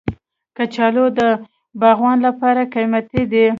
کچالو د باغوان لپاره قیمتي دی